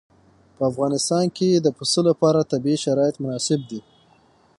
په افغانستان کې د پسه لپاره طبیعي شرایط مناسب دي.